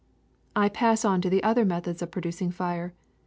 "I pass on to other methods of producing fire.